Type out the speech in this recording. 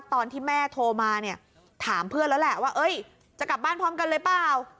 ตอนที่แม่โทรมาเนี่ยถามเพื่อนแล้วแหละว่าจะกลับบ้านพร้อมกันหรือเปล่า